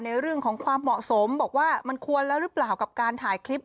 เรื่องของความเหมาะสมบอกว่ามันควรแล้วหรือเปล่ากับการถ่ายคลิป